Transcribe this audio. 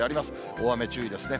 大雨注意ですね。